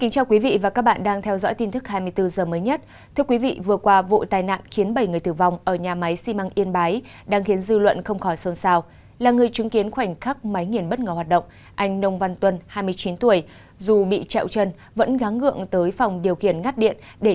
các bạn hãy đăng ký kênh để ủng hộ kênh của chúng mình nhé